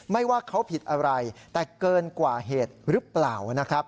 ว่าเขาผิดอะไรแต่เกินกว่าเหตุหรือเปล่านะครับ